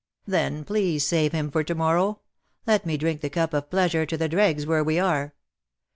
''" Then, please save him for to morrow. Let me drink the cup of pleasure to the dregs where we are.